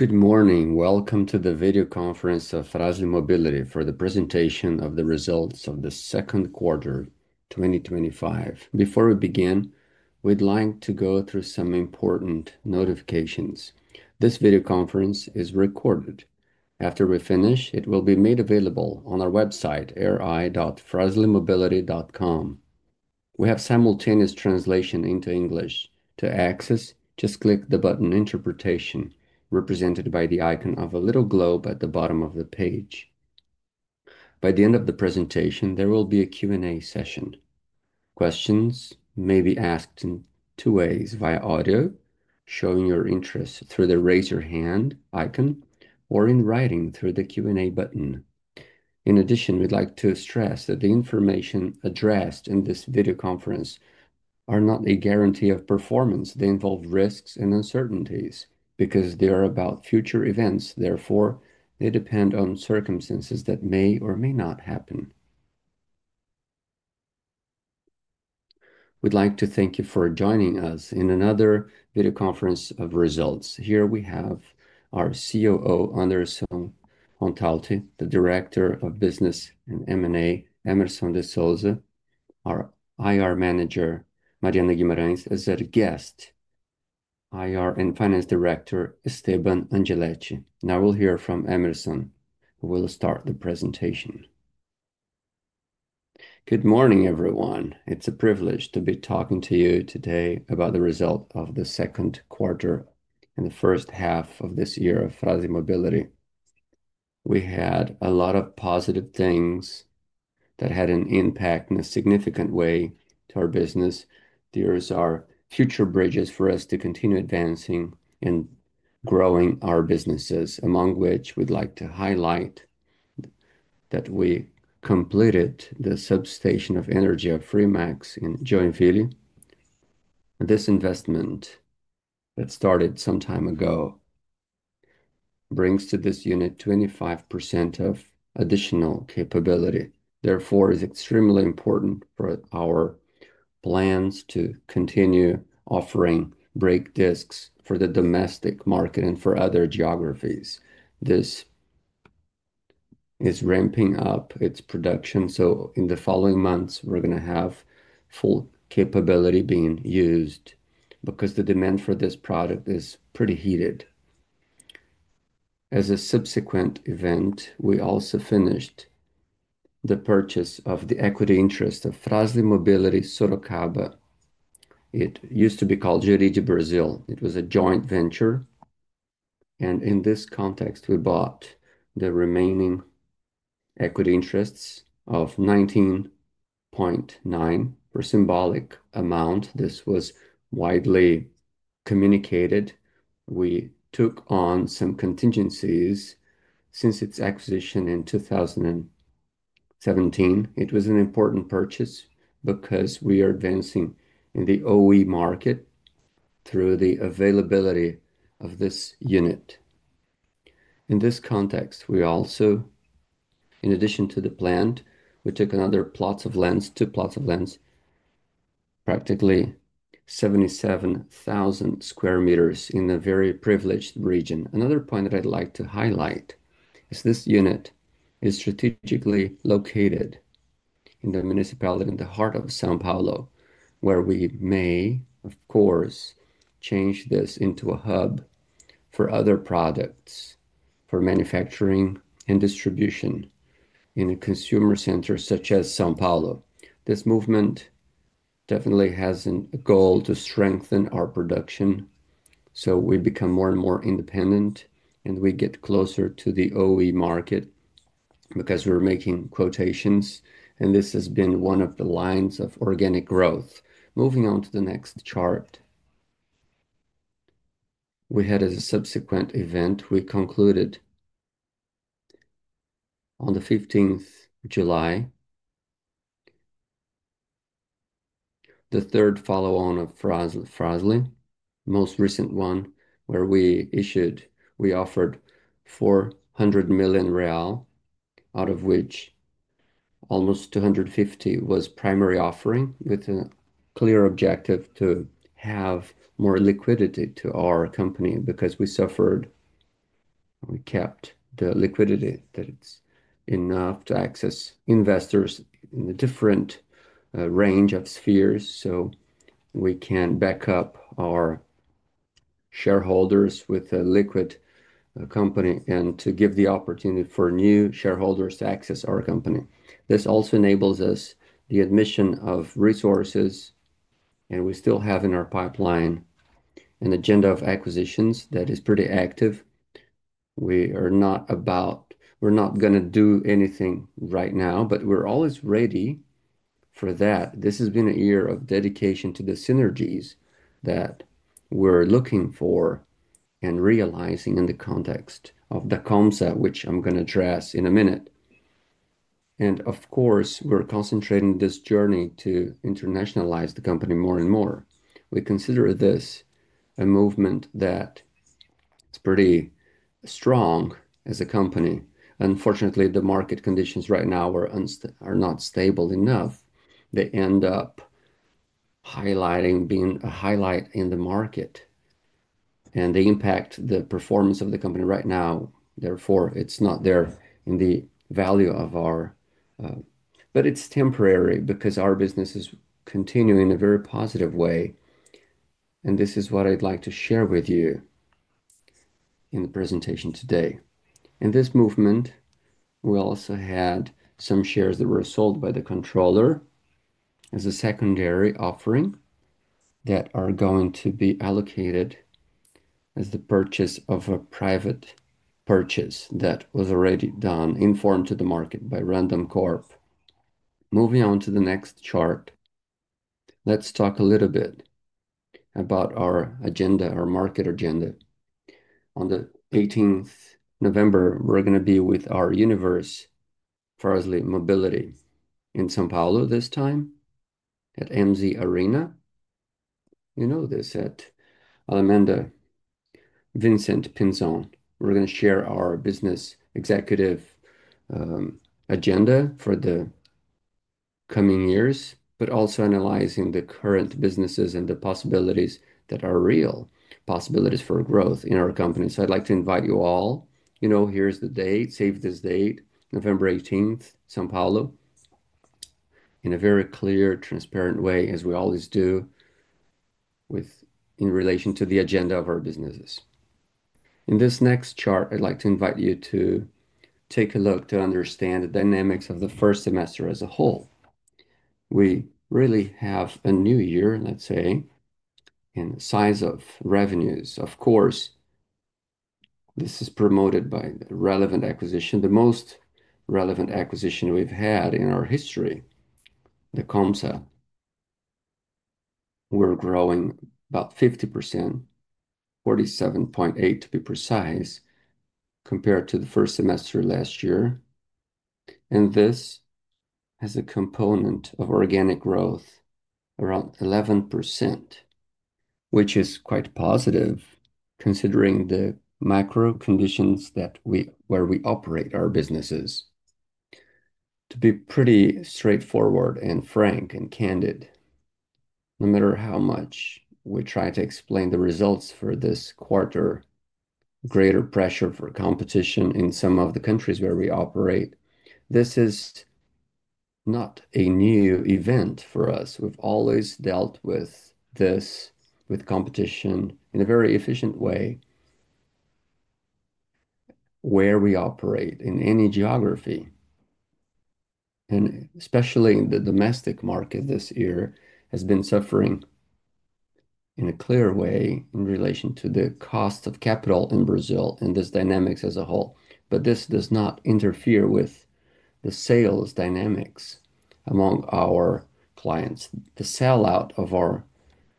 Good morning. Welcome to the video conference of Frasle Mobility for the Presentation of the Results of the Second Quarter 2025. Before we begin, we'd like to go through some important notifications. This video conference is recorded. After we finish, it will be made available on our website, ri.fraslemobility.com. We have simultaneous translation into English. To access, just click the button "Interpretation," represented by the icon of a little globe at the bottom of the page. By the end of the presentation, there will be a Q&A session. Questions may be asked in two ways: via audio, showing your interest through the "raise your hand" icon, or in writing through the Q&A button. In addition, we'd like to stress that the information addressed in this video conference is not a guarantee of performance, as they involve risks and uncertainties because they are about future events. Therefore, they depend on circumstances that may or may not happen. We'd like to thank you for joining us in another video conference of results. Here we have our Chief Operating Officer, Anderson Pontalti, the Director of Business and M&A, Hemerson de Souza, our IR Manager, Mariana Guimarães, as a guest, IR and Finance Director Esteban Angeletti. Now we'll hear from Hemerson, who will start the presentation. Good morning, everyone. It's a privilege to be talking to you today about the result of the second quarter in the first half of this year of Frasle Mobility. We had a lot of positive things that had an impact in a significant way to our business. They are future bridges for us to continue advancing and growing our businesses, among which we'd like to highlight that we completed the substation of energy of Fremax in Joinville. This investment that started some time ago brings to this unit 25% of additional capability. Therefore, it is extremely important for our plans to continue offering brake discs for the domestic market and for other geographies. This is ramping up its production, so in the following months, we're going to have full capability being used because the demand for this product is pretty heated. As a subsequent event, we also finished the purchase of the equity interest of Frasle Mobility Sorocaba. It used to be called Jurid do Brasil. It was a joint venture. In this context, we bought the remaining equity interests of 19.9% for a symbolic amount. This was widely communicated. We took on some contingencies since its acquisition in 2017. It was an important purchase because we are advancing in the OE market through the availability of this unit. In this context, we also, in addition to the planned, we took another plot of land, two plots of land, practically 77,000 square meters in a very privileged region. Another point that I'd like to highlight is this unit is strategically located in the municipality in the heart of São Paulo, where we may, of course, change this into a hub for other products for manufacturing and distribution in a consumer center such as São Paulo. This movement definitely has a goal to strengthen our production, so we become more and more independent, and we get closer to the OE market because we're making quotations, and this has been one of the lines of organic growth. Moving on to the next chart, we had a subsequent event. We concluded on the 15th of July, the third follow-on of Frasle Mobility, the most recent one where we issued, we offered 400 million real, out of which almost 250 million was primary offering with a clear objective to have more liquidity to our company because we suffered. We kept the liquidity, that it's enough to access investors in a different range of spheres, so we can back up our shareholders with a liquid company and to give the opportunity for new shareholders to access our company. This also enables us the admission of resources, and we still have in our pipeline an agenda of acquisitions that is pretty active. We are not about, we're not going to do anything right now, but we're always ready for that. This has been a year of dedication to the synergies that we're looking for and realizing in the context of Dacomsa, which I'm going to address in a minute. Of course, we're concentrating this journey to internationalize the company more and more. We consider this a movement that is pretty strong as a company. Unfortunately, the market conditions right now are not stable enough. They end up highlighting, being a highlight in the market, and they impact the performance of the company right now. Therefore, it's not there in the value of our, but it's temporary because our business is continuing in a very positive way. This is what I'd like to share with you in the presentation today. In this movement, we also had some shares that were sold by the controller as a secondary offering that are going to be allocated as the purchase of a private purchase that was already done, informed to the market by Random Corp. Moving on to the next chart, let's talk a little bit about our agenda, our market agenda. On the 18th of November, we're going to be with our universe, Frasle Mobility, in São Paulo this time at MZ Arena. You know this at Alameda Vicente Pinzon. We're going to share our business executive agenda for the coming years, but also analyzing the current businesses and the possibilities that are real, possibilities for growth in our company. I'd like to invite you all, here's the date, save this date, November 18th, São Paulo, in a very clear, transparent way, as we always do in relation to the agenda of our businesses. In this next chart, I'd like to invite you to take a look to understand the dynamics of the first semester as a whole. We really have a new year, let's say, in the size of revenues. Of course, this is promoted by the relevant acquisition, the most relevant acquisition we've had in our history, Dacomsa. We're growing about 50%, 47.8% to be precise, compared to the first semester last year. This has a component of organic growth around 11%, which is quite positive considering the micro conditions that we operate our businesses. To be pretty straightforward and frank and candid, no matter how much we try to explain the results for this quarter, greater pressure for competition in some of the countries where we operate, this is not a new event for us. We've always dealt with this, with competition in a very efficient way where we operate in any geography. Especially in the domestic market, this year has been suffering in a clear way in relation to the cost of capital in Brazil and this dynamics as a whole. This does not interfere with the sales dynamics among our clients. The sellout of our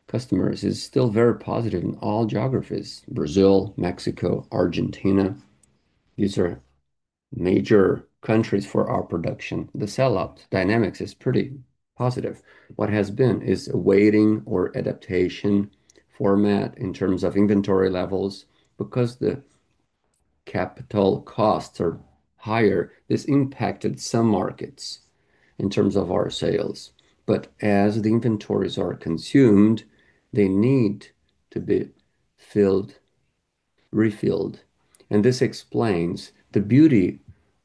customers is still very positive in all geographies: Brazil, Mexico, Argentina. These are major countries for our production. The sellout dynamics is pretty positive. What has been is a waiting or adaptation format in terms of inventory levels because the capital costs are higher. This impacted some markets in terms of our sales. As the inventories are consumed, they need to be filled, refilled. This explains the beauty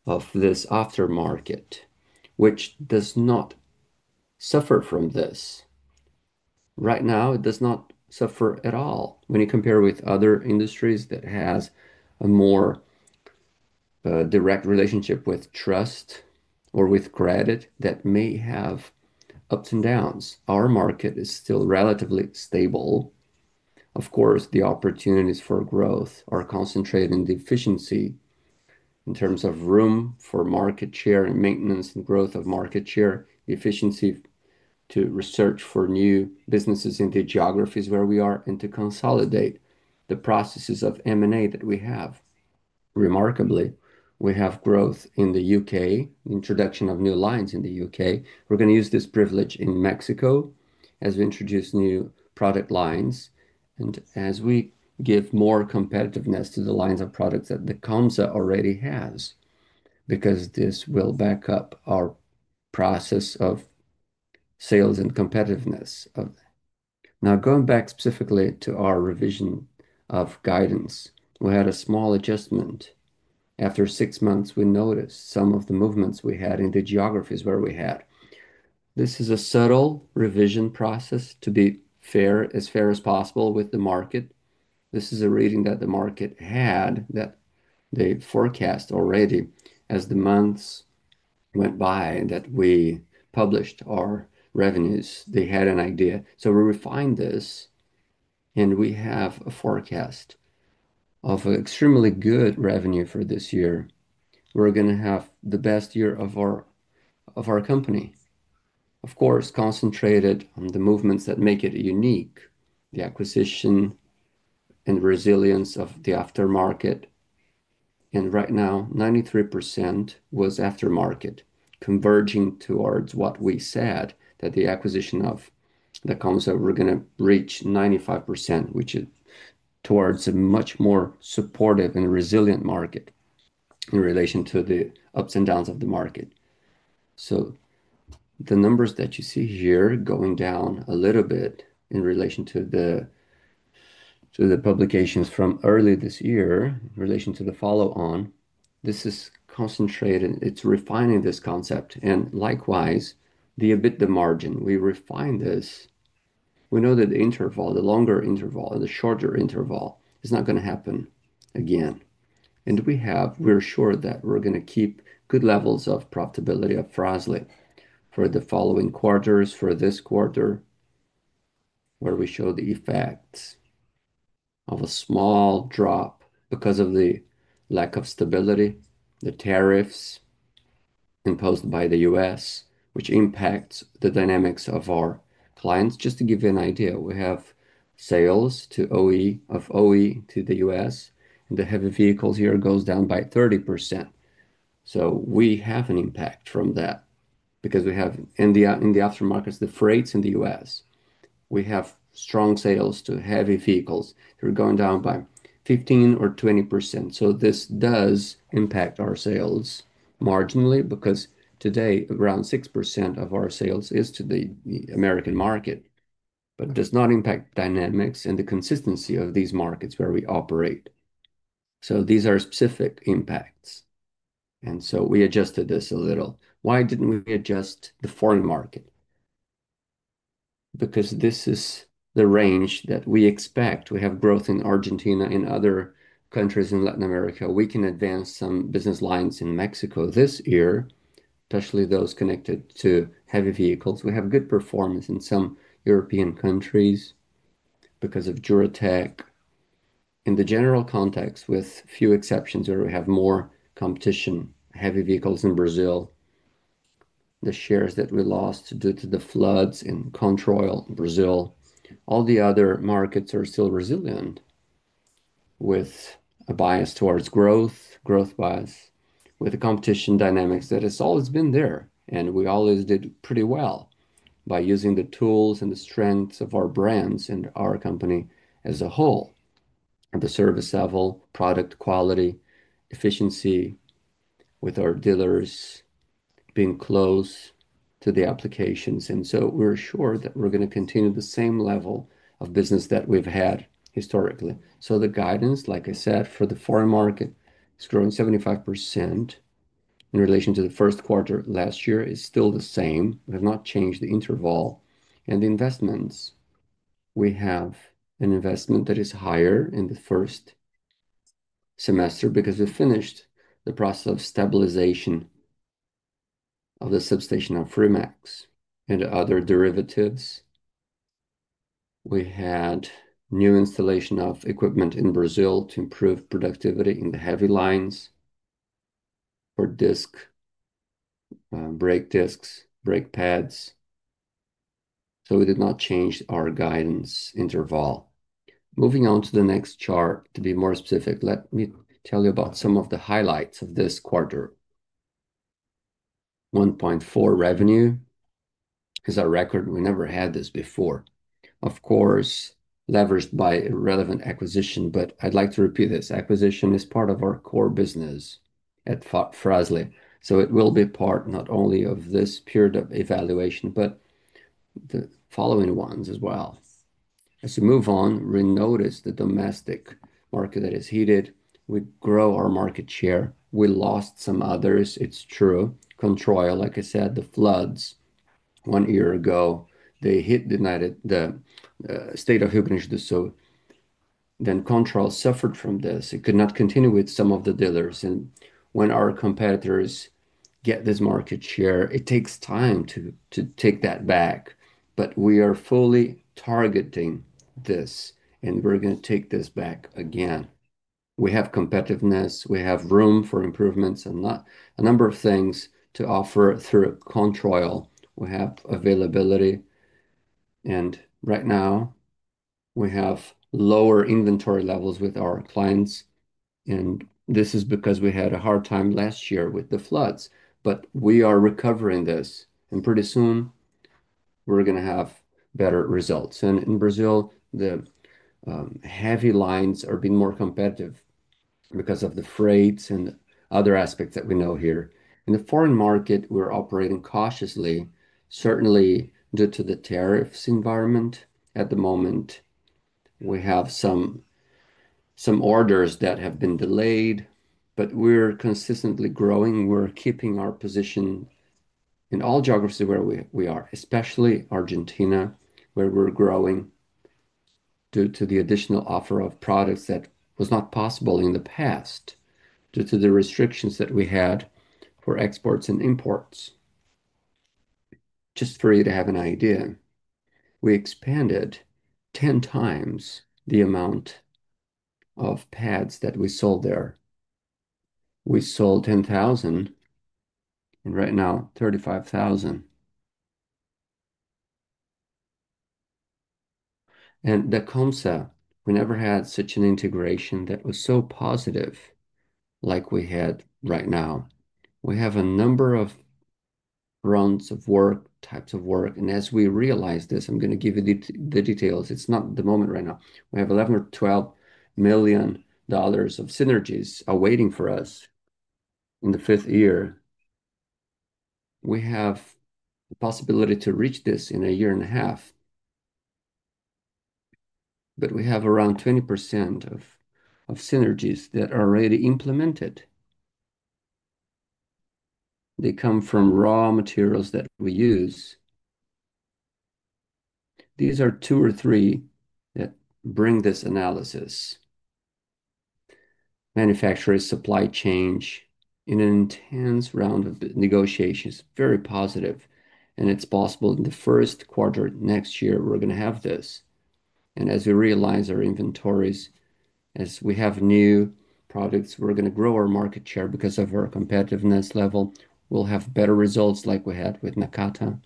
of this aftermarket, which does not suffer from this. Right now, it does not suffer at all when you compare with other industries that have a more direct relationship with trust or with credit that may have ups and downs. Our market is still relatively stable. Of course, the opportunities for growth are concentrated in the efficiency in terms of room for market share and maintenance and growth of market share, efficiency to research for new businesses in the geographies where we are and to consolidate the processes of M&A that we have. Remarkably, we have growth in the U.K., the introduction of new lines in the U.K. We're going to use this privilege in Mexico as we introduce new product lines and as we give more competitiveness to the lines of products that Dacomsa already has because this will back up our process of sales and competitiveness. Now, going back specifically to our revision of guidance, we had a small adjustment. After six months, we noticed some of the movements we had in the geographies where we had. This is a subtle revision process to be as fair as possible with the market. This is a reading that the market had that they forecast already as the months went by and that we published our revenues. They had an idea. We refined this and we have a forecast of an extremely good revenue for this year. We're going to have the best year of our company. Of course, concentrated on the movements that make it unique, the acquisition and resilience of the aftermarket. Right now, 93% was aftermarket, converging towards what we said that the acquisition of Dacomsa we're going to reach 95%, which is towards a much more supportive and resilient market in relation to the ups and downs of the market. The numbers that you see here going down a little bit in relation to the publications from early this year in relation to the follow-on, this is concentrated, it's refining this concept. Likewise, the margin we refined this, we know that the interval, the longer interval, the shorter interval is not going to happen again. We're sure that we're going to keep good levels of profitability of Frasle Mobility for the following quarters, for this quarter, where we show the effects of a small drop because of the lack of stability, the tariffs imposed by the U.S., which impacts the dynamics of our clients. Just to give you an idea, we have sales of OE to the U.S., and the heavy vehicles here go down by 30%. We have an impact from that because we have in the aftermarket, the freights in the U.S., we have strong sales to heavy vehicles. They're going down by 15% or 20%. This does impact our sales marginally because today around 6% of our sales is to the U.S. market, but does not impact dynamics and the consistency of these markets where we operate. These are specific impacts. We adjusted this a little. Why didn't we adjust the foreign market? This is the range that we expect. We have growth in Argentina, in other countries in Latin America. We can advance some business lines in Mexico this year, especially those connected to heavy vehicles. We have good performance in some European countries because of Juratek. In the general context, with a few exceptions where we have more competition, heavy vehicles in Brazil, the shares that we lost due to the floods in Controil Brazil, all the other markets are still resilient with a bias towards growth, growth bias, with the competition dynamics that has always been there. We always did pretty well by using the tools and the strengths of our brands and our company as a whole, and the service level, product quality, efficiency, with our dealers being close to the applications. We're sure that we're going to continue the same level of business that we've had historically. The guidance, like I said, for the foreign market has grown 75% in relation to the first quarter last year. It's still the same. We have not changed the interval. The investments, we have an investment that is higher in the first semester because we finished the process of stabilization of the substation of Fremax and other derivatives. We had new installation of equipment in Brazil to improve productivity in the heavy lines for disc, brake discs, brake pads. We did not change our guidance interval. Moving on to the next chart, to be more specific, let me tell you about some of the highlights of this quarter. 1.4 billion revenue is a record. We never had this before. Of course, leveraged by a relevant acquisition, but I'd like to repeat this. Acquisition is part of our core business at Frasle Mobility. It will be part not only of this period of evaluation, but the following ones as well. As we move on, we notice the domestic market that is heated. We grow our market share. We lost some others. It's true. Controil, like I said, the floods one year ago, they hit the state of Rio Grande do Sul. Controil suffered from this. It could not continue with some of the dealers. When our competitors get this market share, it takes time to take that back. We are fully targeting this, and we're going to take this back again. We have competitiveness. We have room for improvements and a number of things to offer through control. We have availability. Right now, we have lower inventory levels with our clients. This is because we had a hard time last year with the floods, but we are recovering this. Pretty soon, we're going to have better results. In Brazil, the heavy lines are being more competitive because of the freights and other aspects that we know here. In the foreign market, we're operating cautiously, certainly due to the tariffs environment at the moment. We have some orders that have been delayed, but we're consistently growing. We're keeping our position in all geographies where we are, especially Argentina, where we're growing due to the additional offer of products that was not possible in the past due to the restrictions that we had for exports and imports. Just for you to have an idea, we expanded 10 times the amount of pads that we sold there. We sold 10,000, and right now, 35,000. Dacomsa, we never had such an integration that was so positive like we had right now. We have a number of rounds of work, types of work. As we realize this, I'm going to give you the details. It's not the moment right now. We have $11 million or $12 million of synergies awaiting for us in the fifth year. We have a possibility to reach this in a year and a half, but we have around 20% of synergies that are already implemented. They come from raw materials that we use. These are two or three that bring this analysis. Manufacturers, supply chains, in an intense round of negotiations, very positive. It is possible in the first quarter next year, we're going to have this. As we realize our inventories, as we have new products, we're going to grow our market share because of our competitiveness level. We'll have better results like we had with Nakata,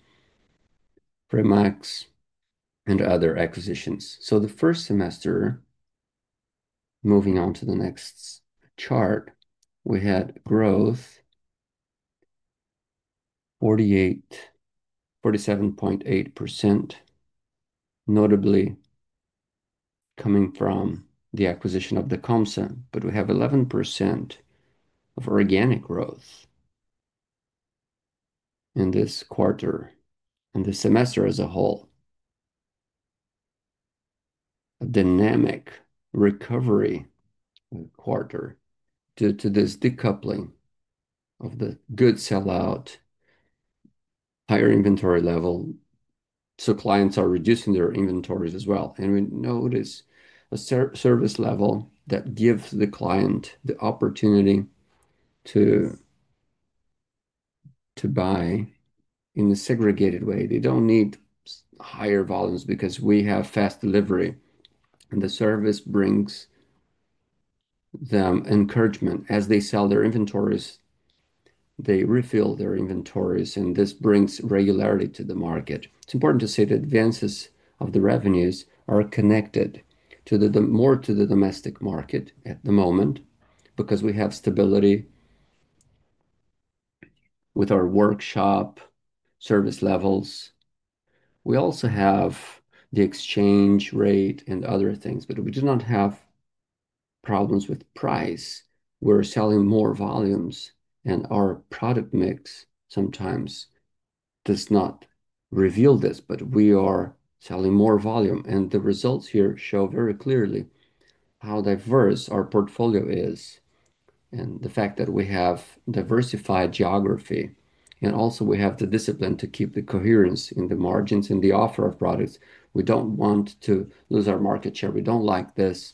Fremax, and other acquisitions. The first semester, moving on to the next chart, we had growth of 47.8%, notably coming from the acquisition of Dacomsa, but we have 11% of organic growth in this quarter, in this semester as a whole. A dynamic recovery in the quarter due to this decoupling of the good sellout, higher inventory level. Clients are reducing their inventories as well. We notice a service level that gives the client the opportunity to buy in a segregated way. They don't need higher volumes because we have fast delivery, and the service brings them encouragement. As they sell their inventories, they refill their inventories, and this brings regularity to the market. It's important to say the advances of the revenues are connected more to the domestic market at the moment because we have stability with our workshop service levels. We also have the exchange rate and other things, but we do not have problems with price. We're selling more volumes, and our product mix sometimes does not reveal this, but we are selling more volume. The results here show very clearly how diverse our portfolio is and the fact that we have diversified geography. We have the discipline to keep the coherence in the margins and the offer of products. We don't want to lose our market share. We don't like this,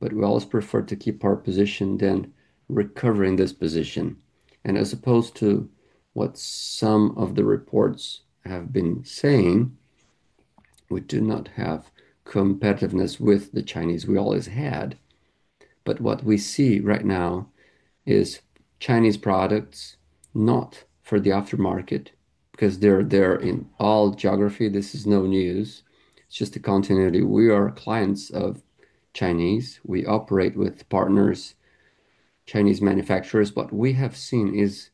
but we always prefer to keep our position than recovering this position. As opposed to what some of the reports have been saying, we do not have competitiveness with the Chinese we always had, but what we see right now is Chinese products not for the aftermarket because they're in all geographies. This is no news. It's just a continuity. We are clients of Chinese. We operate with partners, Chinese manufacturers. What we have seen is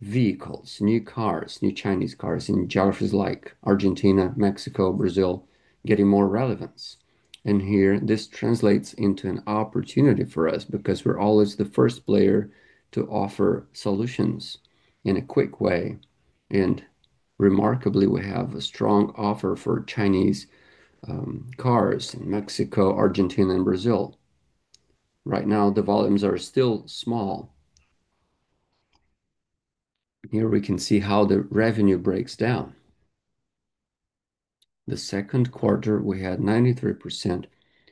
vehicles, new cars, new Chinese cars in geographies like Argentina, Mexico, Brazil, getting more relevance. Here, this translates into an opportunity for us because we're always the first player to offer solutions in a quick way. Remarkably, we have a strong offer for Chinese cars in Mexico, Argentina, and Brazil. Right now, the volumes are still small. Here, we can see how the revenue breaks down. The second quarter, we had 93%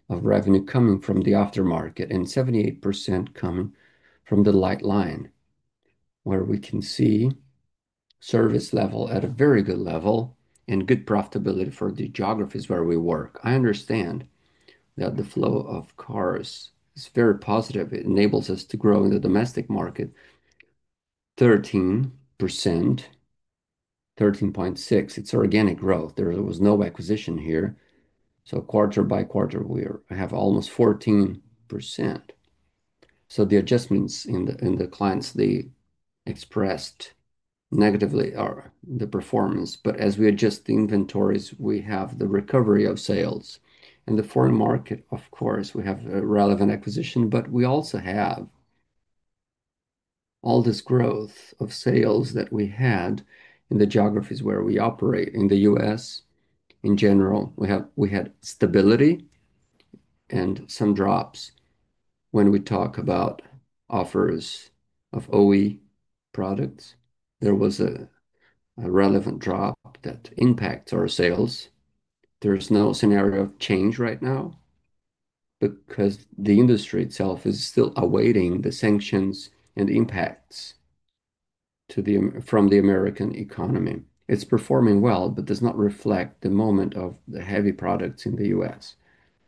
of revenue coming from the aftermarket and 78% coming from the light line, where we can see service level at a very good level and good profitability for the geographies where we work. I understand that the flow of cars is very positive. It enables us to grow in the domestic market. 13%, 13.6%, it's organic growth. There was no acquisition here. Quarter-by-quarter, we have almost 14%. The adjustments in the clients they expressed negatively are the performance. As we adjust the inventories, we have the recovery of sales. In the foreign market, of course, we have a relevant acquisition, but we also have all this growth of sales that we had in the geographies where we operate. In the U.S., in general, we had stability and some drops. When we talk about offers of OE products, there was a relevant drop that impacts our sales. There's no scenario change right now because the industry itself is still awaiting the sanctions and impacts from the U.S. economy. It's performing well, but does not reflect the moment of the heavy products in the U.S.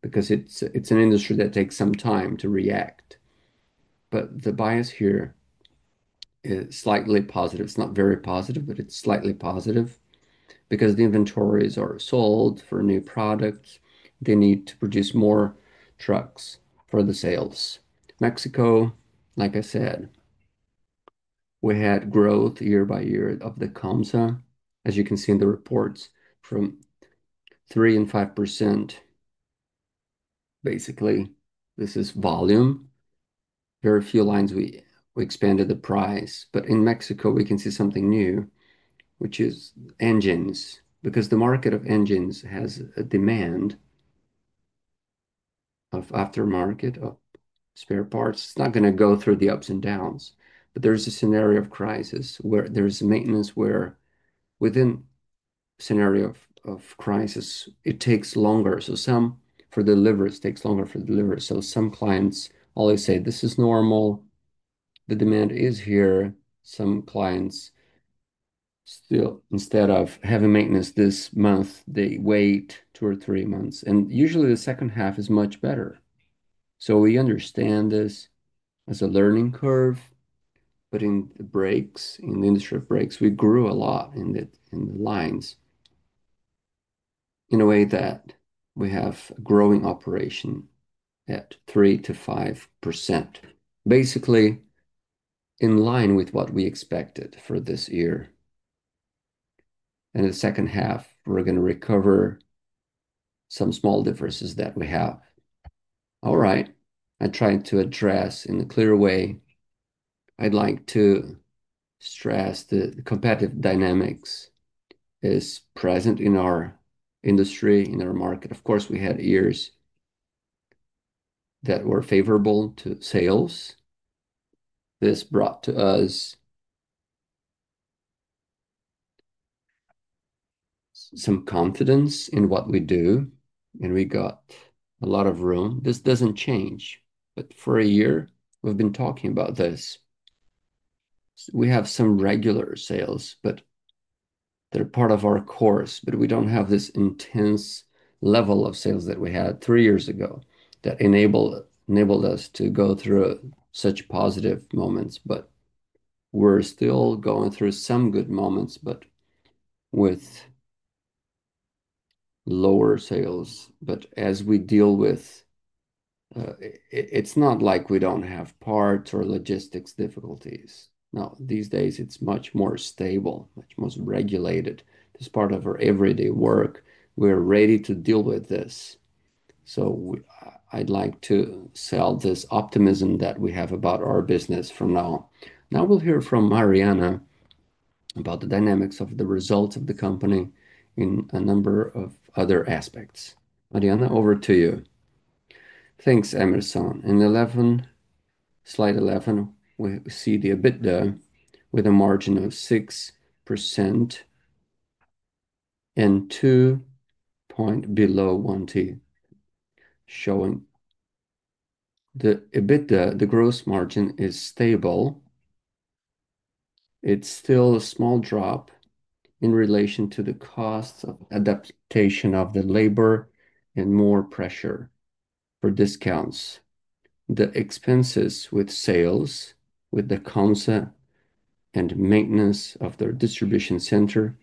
because it's an industry that takes some time to react. The bias here is slightly positive. It's not very positive, but it's slightly positive because the inventories are sold for new products. They need to produce more trucks for the sales. Mexico, like I said, we had growth year by year of Dacomsa. As you can see in the reports, from 3% and 5%, basically, this is volume. There are a few lines we expanded the price. In Mexico, we can see something new, which is engines, because the market of engines has a demand of aftermarket, of spare parts. It's not going to go through the ups and downs, but there is a scenario of crisis where there is maintenance, where within a scenario of crisis, it takes longer. For delivery, it takes longer for delivery. Some clients always say this is normal. The demand is here. Some clients still, instead of having maintenance this month, they wait two or three months. Usually, the second half is much better. We understand this as a learning curve, but in the brakes, in the industry of brakes, we grew a lot in the lines in a way that we have a growing operation at 3%-5%, basically in line with what we expected for this year. In the second half, we're going to recover some small differences that we have. I tried to address in a clear way. I'd like to stress the competitive dynamics that are present in our industry, in our market. Of course, we had years that were favorable to sales. This brought to us some confidence in what we do, and we got a lot of room. This doesn't change, but for a year, we've been talking about this. We have some regular sales, but they're part of our course. We don't have this intense level of sales that we had three years ago that enabled us to go through such positive moments. We're still going through some good moments, but with lower sales. As we deal with, it's not like we don't have parts or logistics difficulties. These days, it's much more stable, much more regulated. It's part of our everyday work. We're ready to deal with this. I'd like to sell this optimism that we have about our business from now. Now we'll hear from Mariana about the dynamics of the results of the company in a number of other aspects. Mariana, over to you. Thanks, Hemerson. In slide 11, we see the EBITDA with a margin of 6%, and 2 points below 1T, showing the EBITDA. The gross margin is stable. It's still a small drop in relation to the cost of adaptation of the labor and more pressure for discounts. The expenses with sales, with Dacomsa and maintenance of their distribution center,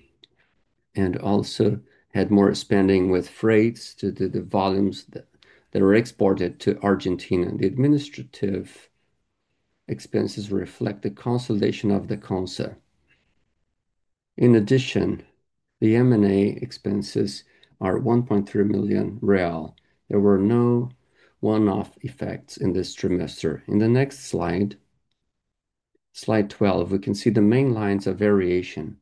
and also had more spending with freights due to the volumes that are exported to Argentina. The administrative expenses reflect the consolidation of Dacomsa. In addition, the M&A expenses are 1.3 million real. There were no one-off effects in this trimester. In the next slide, slide 12, we can see the main lines of variation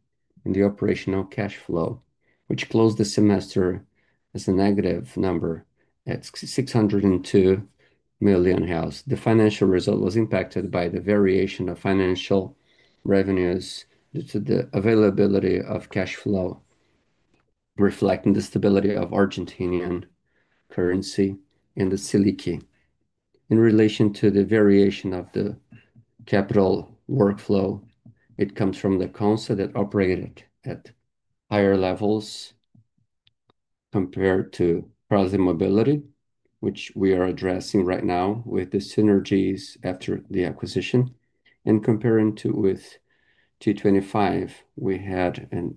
in the operational cash flow, which closed the semester as a negative number at 602 million. The financial result was impacted by the variation of financial revenues due to the availability of cash flow, reflecting the stability of Argentinian currency and the silica. In relation to the variation of the capital workflow, it comes from Dacomsa that operated at higher levels compared to Frasle Mobility, which we are addressing right now with the synergies after the acquisition. Comparing to with G25, we had a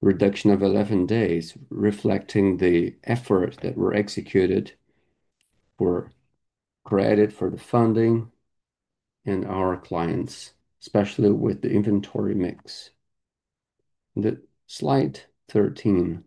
reduction of 11 days, reflecting the efforts that were executed for credit for the funding and our clients, especially with the inventory mix. In slide 13,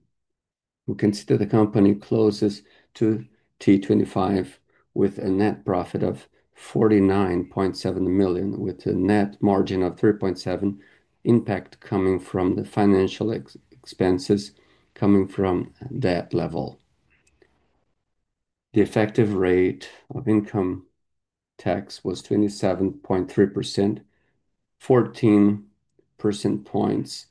we can see that the company closes to G25 with a net profit of 49.7 million, with a net margin of 3.7%, impact coming from the financial expenses coming from that level. The effective rate of income tax was 27.3%, 14% points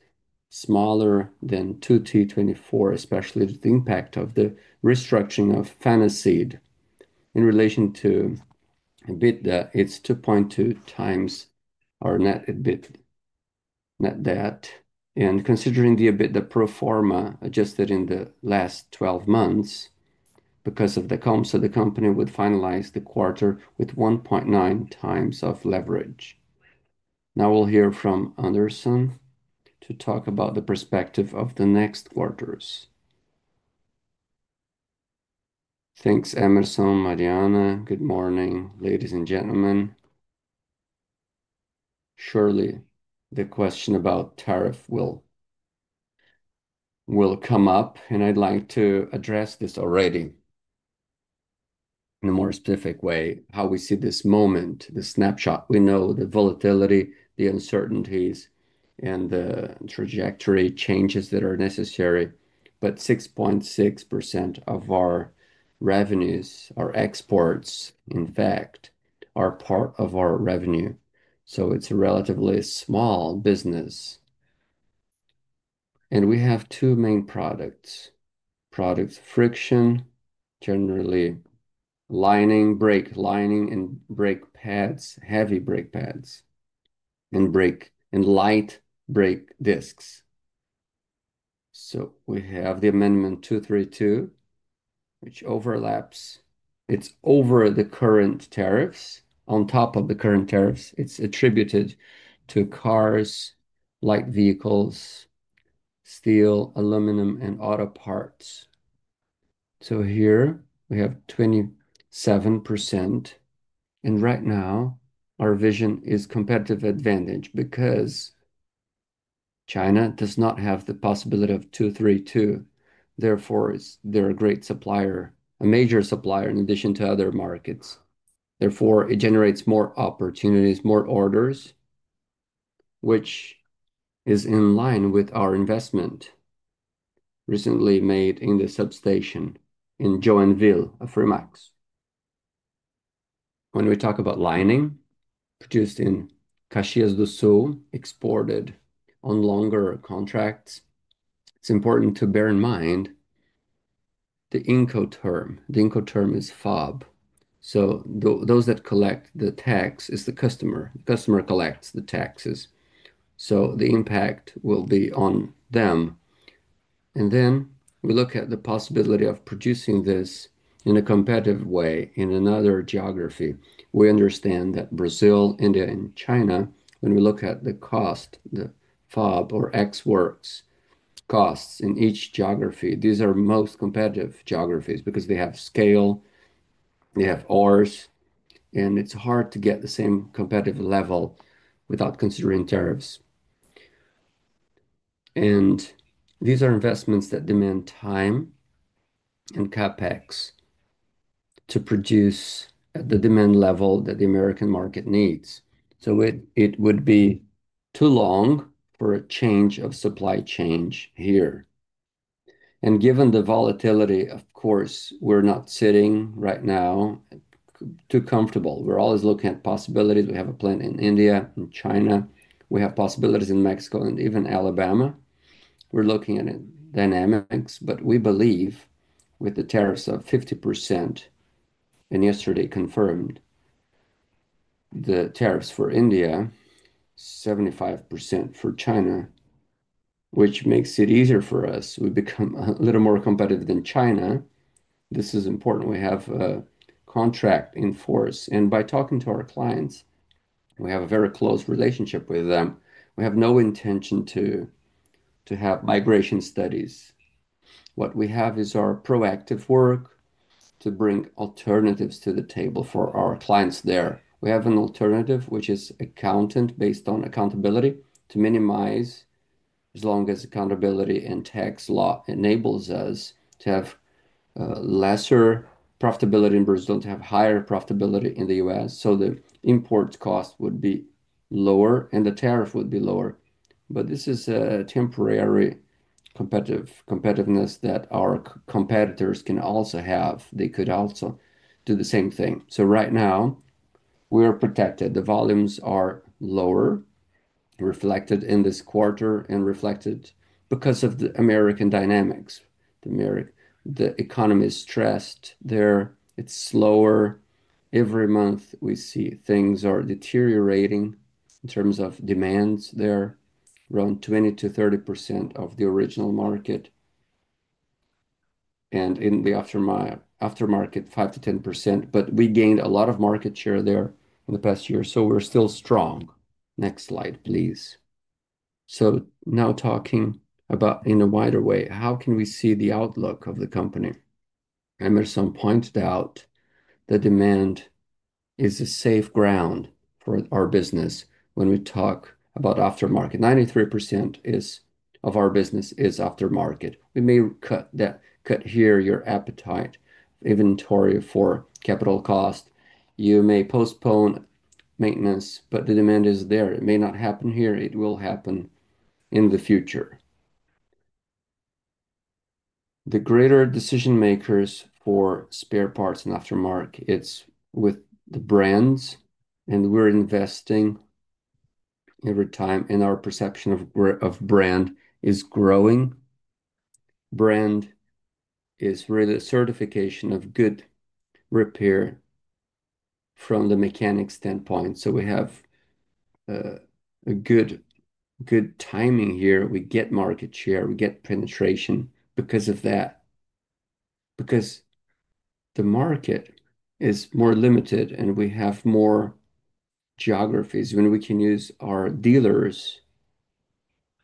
smaller than 2024, especially the impact of the restructuring of Fanaseed. In relation to EBITDA, it's 2.2 times our net EBITDA. Considering the EBITDA pro forma adjusted in the last 12 months, because of Dacomsa, the company would finalize the quarter with 1.9 times of leverage. Now we'll hear from Anderson to talk about the perspective of the next quarters. Thanks, Hemerson, Mariana. Good morning, ladies and gentlemen. Surely, the question about tariff will come up, and I'd like to address this already in a more specific way, how we see this moment, the snapshot. We know the volatility, the uncertainties, and the trajectory changes that are necessary. 6.6% of our revenues, our exports, in fact, are part of our revenue. It's a relatively small business. We have two main products: friction products, generally lining, brake lining, and brake pads, heavy brake pads, and light brake discs. We have the amendment 232, which overlaps. It's over the current tariffs, on top of the current tariffs. It's attributed to cars, light vehicles, steel, aluminum, and auto parts. Here we have 27%. Right now, our vision is competitive advantage because China does not have the possibility of 232. Therefore, they're a great supplier, a major supplier in addition to other markets. It generates more opportunities, more orders, which is in line with our investment recently made in the substation in Joinville of Fremax. When we talk about lining produced in Caxias do Sul, exported on longer contracts, it's important to bear in mind the incoterm. The incoterm is FOB. Those that collect the tax is the customer. The customer collects the taxes. The impact will be on them. We look at the possibility of producing this in a competitive way in another geography. We understand that Brazil, India, and China, when we look at the cost, the FOB or ex-works costs in each geography, these are most competitive geographies because they have scale, they have ores, and it's hard to get the same competitive level without considering tariffs. These are investments that demand time and CapEx to produce at the demand level that the U.S. market needs. It would be too long for a change of supply chain here. Given the volatility, of course, we're not sitting right now too comfortable. We're always looking at possibilities. We have a plan in India and China. We have possibilities in Mexico and even Alabama. We're looking at dynamics, but we believe with the tariffs of 50%, and yesterday confirmed the tariffs for India, 75% for China, which makes it easier for us. We become a little more competitive than China. This is important. We have a contract in force. By talking to our clients, we have a very close relationship with them. We have no intention to have migration studies. What we have is our proactive work to bring alternatives to the table for our clients there. We have an alternative, which is accountant based on accountability to minimize, as long as accountability and tax law enables us to have lesser profitability in Brazil, to have higher profitability in the U.S. The import cost would be lower and the tariff would be lower. This is a temporary competitiveness that our competitors can also have. They could also do the same thing. Right now, we're protected. The volumes are lower, reflected in this quarter and reflected because of the American dynamics. The American economy is stressed there. It's slower. Every month, we see things are deteriorating in terms of demands there, around 20%-30% of the original market. In the aftermarket, 5%-10%. We gained a lot of market share there in the past year. We're still strong. Next slide, please. Now talking about in a wider way, how can we see the outlook of the company? Hemerson pointed out that demand is a safe ground for our business when we talk about aftermarket. 93% of our business is aftermarket. We may cut here your appetite inventory for capital cost. You may postpone maintenance, but the demand is there. It may not happen here. It will happen in the future. The greater decision makers for spare parts and aftermarket, it's with the brands. We're investing every time and our perception of brand is growing. Brand is really a certification of good repair from the mechanic standpoint. We have a good timing here. We get market share. We get penetration because of that. Because the market is more limited and we have more geographies, we can use our dealers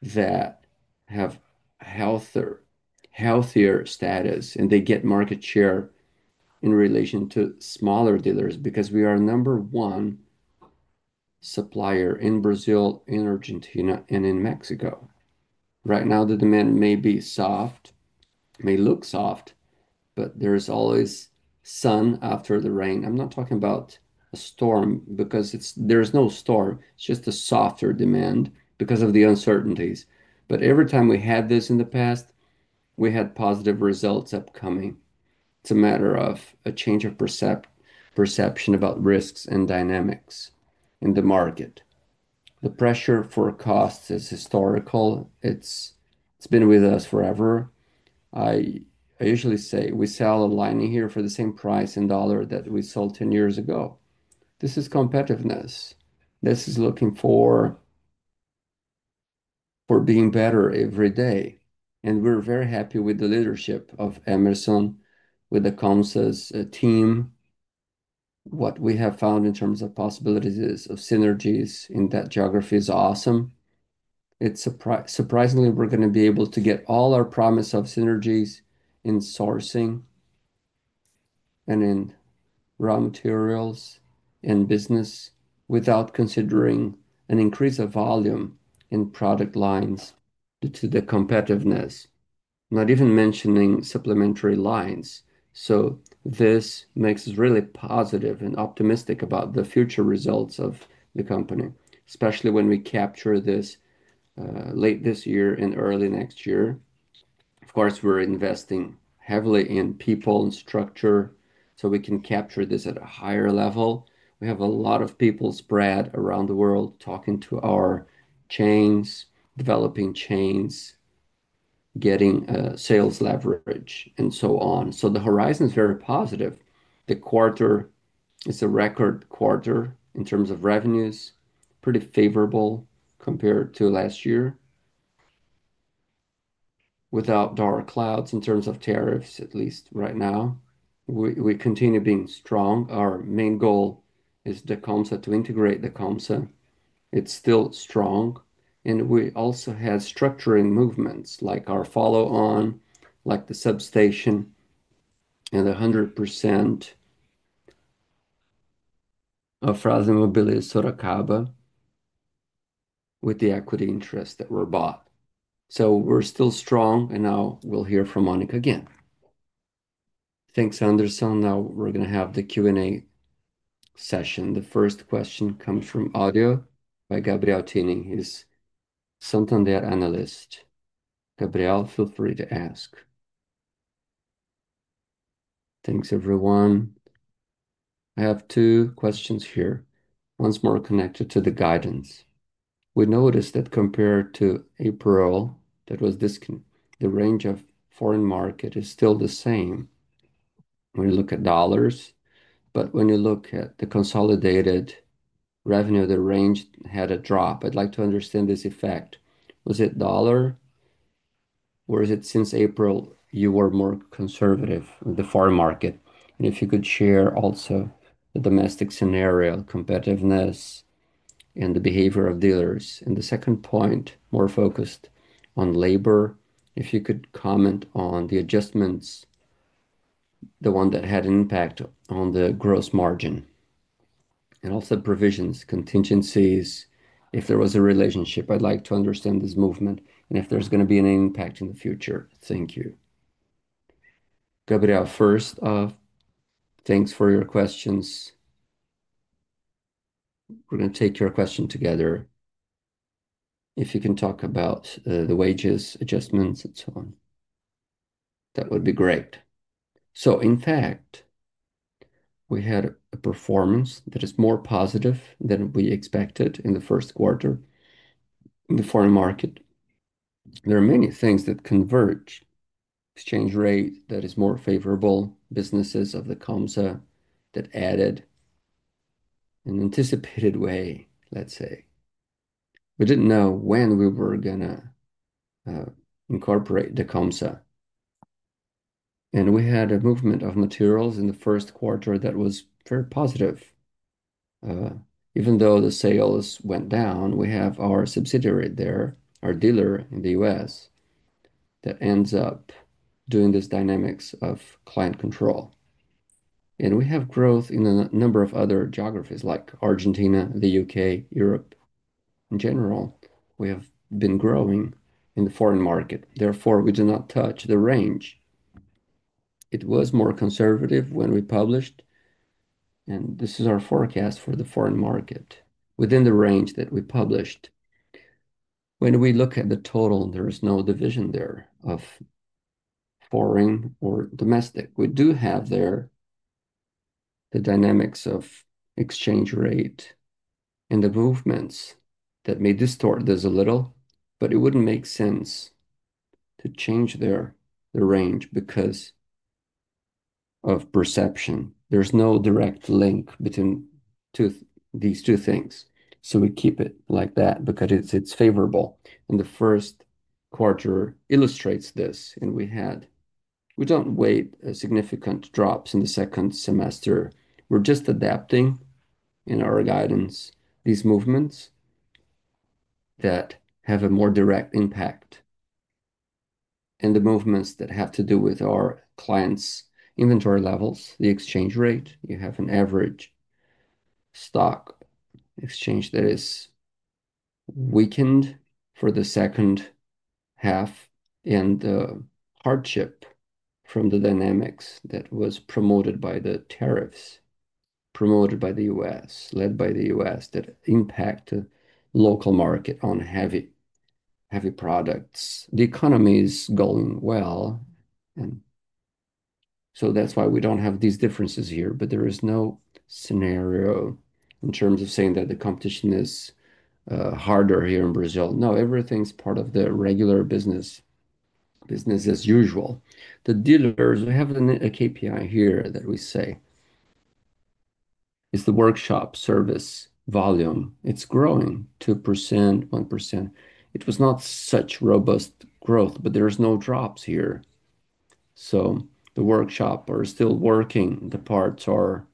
that have healthier status and they get market share in relation to smaller dealers because we are number one supplier in Brazil, in Argentina, and in Mexico. Right now, the demand may be soft, may look soft, but there is always sun after the rain. I'm not talking about a storm because there is no storm. It's just a softer demand because of the uncertainties. Every time we had this in the past, we had positive results upcoming. It's a matter of a change of perception about risks and dynamics in the market. The pressure for costs is historical. It's been with us forever. I usually say we sell a lining here for the same price in dollar that we sold 10 years ago. This is competitiveness. This is looking for being better every day. We're very happy with the leadership of Hemerson, with Dacomsa's team. What we have found in terms of possibilities of synergies in that geography is awesome. Surprisingly, we're going to be able to get all our promise of synergies in sourcing and in raw materials and business without considering an increase of volume in product lines due to the competitiveness, not even mentioning supplementary lines. This makes us really positive and optimistic about the future results of the company, especially when we capture this late this year and early next year. Of course, we're investing heavily in people and structure so we can capture this at a higher level. We have a lot of people spread around the world talking to our chains, developing chains, getting sales leverage, and so on. The horizon is very positive. The quarter is a record quarter in terms of revenues, pretty favorable compared to last year. Without dark clouds in terms of tariffs, at least right now, we continue being strong. Our main goal is Dacomsa, to integrate Dacomsa. It's still strong. We also had structuring movements like our follow-on, like the substation, and the 100% of Frasle Mobility Sorocaba with the equity interest that were bought. We're still strong. Now we'll hear from Monica again. Thanks, Anderson. Now we're going to have the Q&A session. The first question comes from audio by Gabriel Tinem, his Santander analyst. Gabriel, feel free to ask. Thanks, everyone. I have two questions here. One's more connected to the guidance. We noticed that compared to April, that was the range of foreign market is still the same when you look at dollars. When you look at the consolidated revenue, the range had a drop. I'd like to understand this effect. Was it dollar or is it since April you were more conservative with the foreign market? If you could share also the domestic scenario, competitiveness, and the behavior of dealers. The second point, more focused on labor, if you could comment on the adjustments, the one that had an impact on the gross margin. Also provisions, contingencies, if there was a relationship. I'd like to understand this movement and if there's going to be an impact in the future. Thank you. Gabriel, first of all, thanks for your questions. We're going to take your question together. If you can talk about the wages, adjustments, and so on, that would be great. In fact, we had a performance that is more positive than we expected in the first quarter in the foreign market. There are many things that converge. Exchange rate that is more favorable, businesses of Dacomsa that added in an anticipated way, let's say. We didn't know when we were going to incorporate Dacomsa. We had a movement of materials in the first quarter that was very positive. Even though the sales went down, we have our subsidiary there, our dealer in the U.S. that ends up doing this dynamics of client control. We have growth in a number of other geographies like Argentina, the U.K., Europe. In general, we have been growing in the foreign market. Therefore, we do not touch the range. It was more conservative when we published, and this is our forecast for the foreign market within the range that we published. When we look at the total, there is no division there of foreign or domestic. We do have there the dynamics of exchange rate and the movements that may distort this a little, but it wouldn't make sense to change the range because of perception. There's no direct link between these two things. We keep it like that because it's favorable. The first quarter illustrates this. We don't wait for significant drops in the second semester. We're just adapting in our guidance these movements that have a more direct impact. The movements that have to do with our clients' inventory levels, the exchange rate, you have an average stock exchange that is weakened for the second half and the hardship from the dynamics that was promoted by the tariffs, promoted by the U.S., led by the U.S. that impact the local market on heavy products. The economy is going well. That's why we don't have these differences here. There is no scenario in terms of saying that the competition is harder here in Brazil. No, everything's part of the regular business, business as usual. The dealers, we have a KPI here that we say is the workshop service volume. It's growing 2%, 1%. It was not such robust growth, but there are no drops here. The workshops are still working. The parts are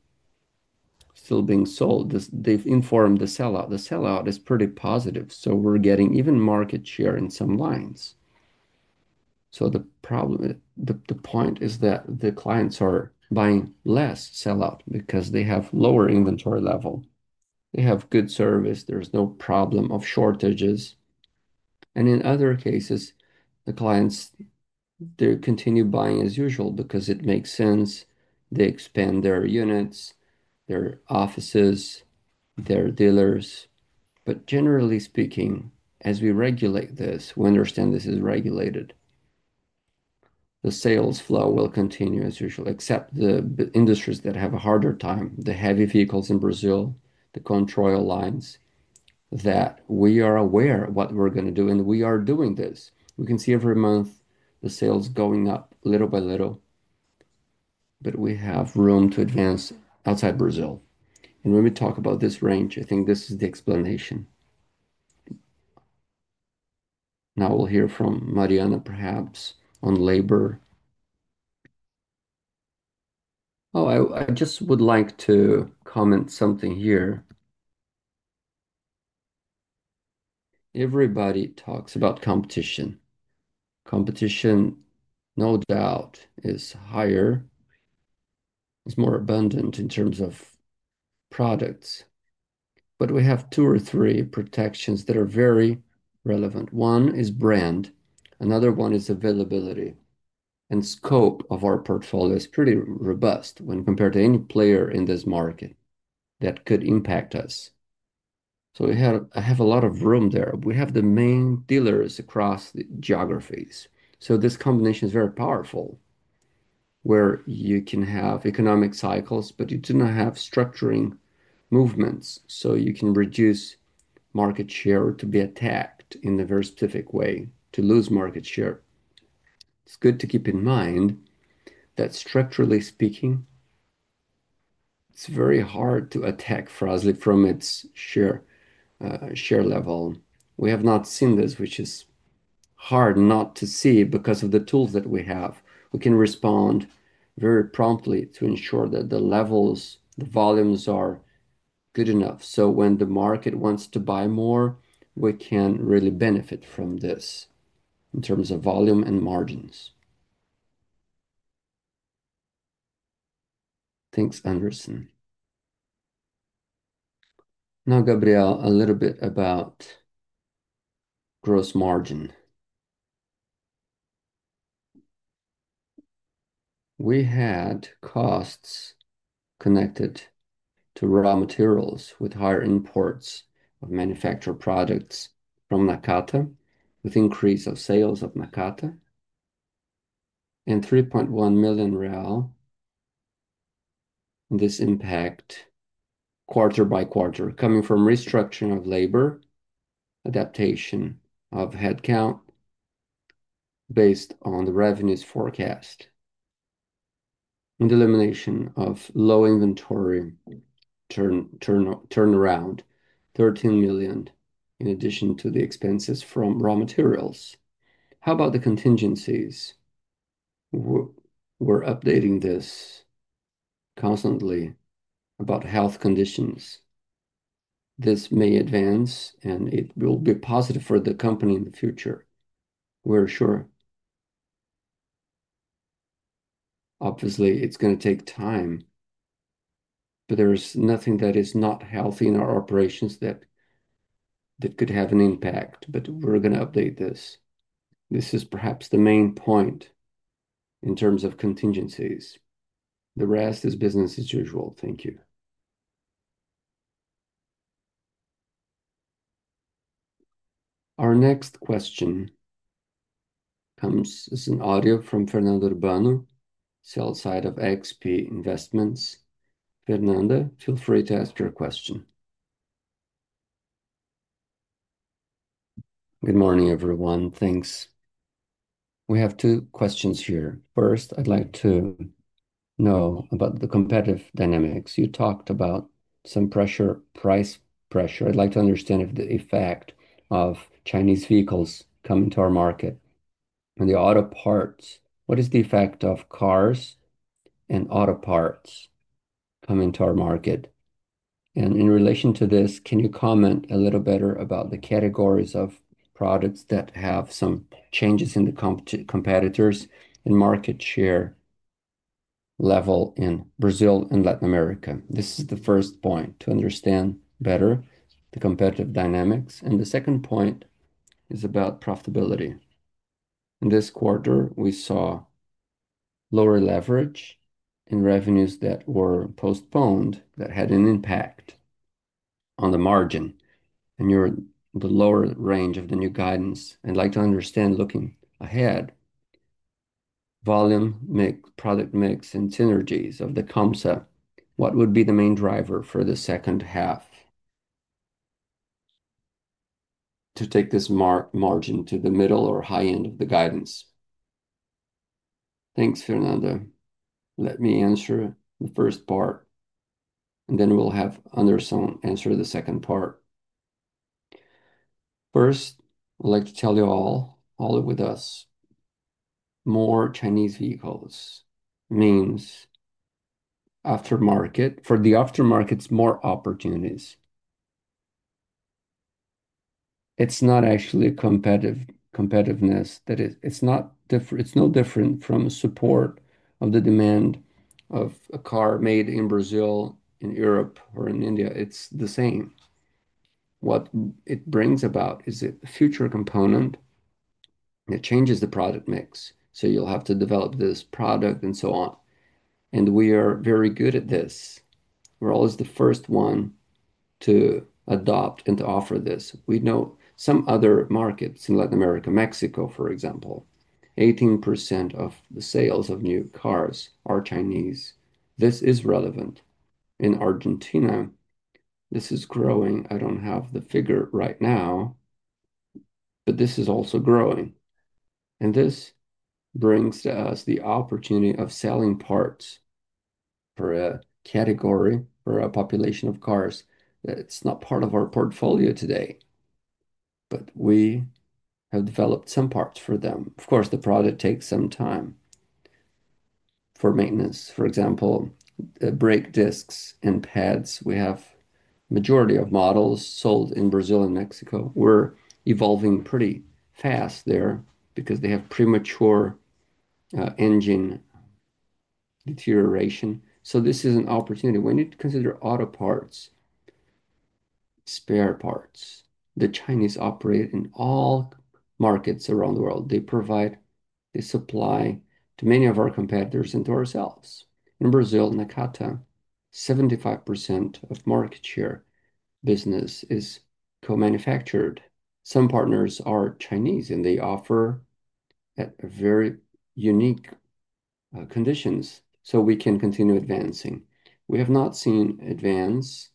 still being sold. They've informed the sellout. The sellout is pretty positive. We're getting even market share in some lines. The point is that the clients are buying less sellout because they have lower inventory level. They have good service. There's no problem of shortages. In other cases, the clients, they continue buying as usual because it makes sense. They expand their units, their offices, their dealers. Generally speaking, as we regulate this, we understand this is regulated. The sales flow will continue as usual, except the industries that have a harder time, the heavy vehicles in Brazil, the control lines that we are aware of what we're going to do, and we are doing this. We can see every month the sales going up little by little, but we have room to advance outside Brazil. When we talk about this range, I think this is the explanation. Now we'll hear from Mariana, perhaps, on labor. Oh, I just would like to comment something here. Everybody talks about competition. Competition, no doubt, is higher. It's more abundant in terms of products. We have two or three protections that are very relevant. One is brand. Another one is availability. The scope of our portfolio is pretty robust when compared to any player in this market that could impact us. We have a lot of room there. We have the main dealers across the geographies. This combination is very powerful, where you can have economic cycles, but you do not have structuring movements. You can reduce market share to be attacked in a very specific way to lose market share. It's good to keep in mind that, structurally speaking, it's very hard to attack Frasle Mobility from its share level. We have not seen this, which is hard not to see because of the tools that we have. We can respond very promptly to ensure that the levels, the volumes are good enough. When the market wants to buy more, we can really benefit from this in terms of volume and margins. Thanks, Anderson. Now, Gabriel, a little bit about gross margin. We had costs connected to raw materials with higher imports of manufactured products from Nakata with increase of sales of Nakata. 3.1 million real, this impact quarter-by-quarter coming from restructuring of labor, adaptation of headcount based on the revenues forecast, and elimination of low inventory turnaround, 13 million, in addition to the expenses from raw materials. How about the contingencies? We're updating this constantly about health conditions. This may advance, and it will be positive for the company in the future. We're sure. Obviously, it's going to take time, but there's nothing that is not healthy in our operations that could have an impact. We're going to update this. This is perhaps the main point in terms of contingencies. The rest is business as usual. Thank you. Our next question comes as an audio from Fernanda Urbano, sell side of XP Investments. Fernando, feel free to ask your question. Good morning, everyone. Thanks. We have two questions here. First, I'd like to know about the competitive dynamics. You talked about some pressure, price pressure. I'd like to understand if the effect of Chinese vehicles coming to our market and the auto parts, what is the effect of cars and auto parts coming to our market? In relation to this, can you comment a little better about the categories of products that have some changes in the competitors and market share level in Brazil and Latin America? This is the first point to understand better the competitive dynamics. The second point is about profitability. In this quarter, we saw lower leverage in revenues that were postponed that had an impact on the margin. You're at the lower range of the new guidance. I'd like to understand, looking ahead, volume mix, product mix, and synergies of Dacomsa. What would be the main driver for the second half to take this margin to the middle or high end of the guidance? Thanks, Fernanda. Let me answer the first part, and then we'll have Anderson answer the second part. First, I'd like to tell you all, all with us, more Chinese vehicles means for the aftermarket more opportunities. It's not actually a competitiveness that is, it's not different, it's no different from support of the demand of a car made in Brazil, in Europe, or in India. It's the same. What it brings about is a future component. It changes the product mix. You'll have to develop this product and so on. We are very good at this. We're always the first one to adopt and to offer this. We know some other markets in Latin America, Mexico, for example, 18% of the sales of new cars are Chinese. This is relevant. In Argentina, this is growing. I don't have the figure right now, but this is also growing. This brings us the opportunity of selling parts for a category or a population of cars that's not part of our portfolio today. We have developed some parts for them. Of course, the product takes some time for maintenance. For example, brake discs and pads. We have a majority of models sold in Brazil and Mexico. We're evolving pretty fast there because they have premature engine deterioration. This is an opportunity. We need to consider auto parts, spare parts. The Chinese operate in all markets around the world. They provide the supply to many of our competitors and to ourselves. In Brazil, Nakata, 75% of market share business is co-manufactured. Some partners are Chinese, and they offer at very unique conditions so we can continue advancing. We have not seen advance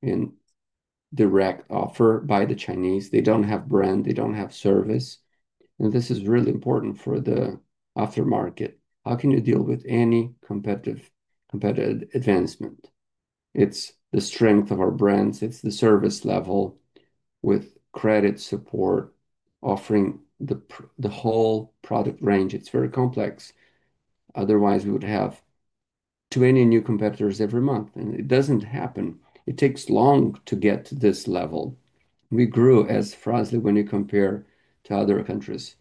in direct offer by the Chinese. They don't have brand. They don't have service, and this is really important for the aftermarket. How can you deal with any competitive advancement? It's the strength of our brands. It's the service level with credit support, offering the whole product range. It's very complex. Otherwise, we would have too many new competitors every month, and it doesn't happen. It takes long to get to this level. We grew as Frasle Mobility when you compare to other countries.